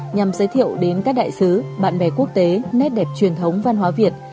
nhằm giới thiệu đến các đại sứ bạn bè quốc tế nét đẹp truyền thống văn hóa việt